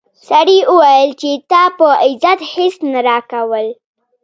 سړي وویل چې تا په عزت هیڅ نه راکول.